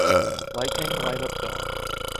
Lightning light up dawn.